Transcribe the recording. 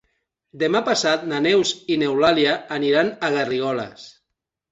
Demà passat na Neus i n'Eulàlia aniran a Garrigoles.